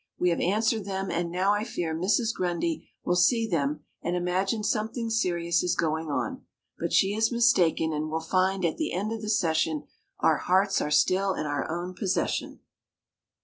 We have answered them and now I fear Mrs. Grundy will see them and imagine something serious is going on. But she is mistaken and will find, at the end of the session, our hearts are still in our own possession.